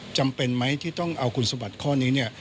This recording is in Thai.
จำเป็นไหมที่ต้องเอาคุณสมบัติข้อนี้เนี่ย